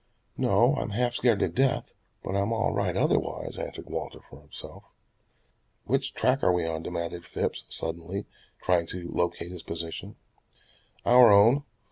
"No, I'm half scared to death, but I'm all right otherwise," answered Walter for himself. "Which track are we on?" demanded Phipps suddenly, trying to locate his position. "Our own.